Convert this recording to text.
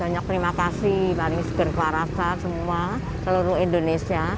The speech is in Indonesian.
banyak terima kasih paling segera kewarasan semua seluruh indonesia